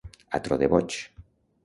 A tro de boig.